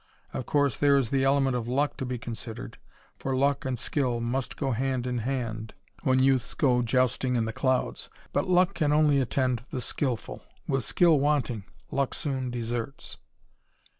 Of course, there is the element of luck to be considered, for luck and skill must go hand in hand when youths go jousting in the clouds. But luck can only attend the skillful. With skill wanting, luck soon deserts.